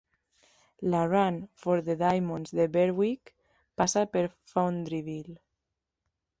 La Run for the Diamonds de Berwick passa per Foundryville.